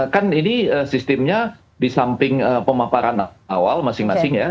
kan ini sistemnya di samping pemaparan awal masing masing ya